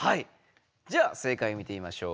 じゃあ正解見てみましょう。